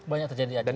banyak terjadi di aceh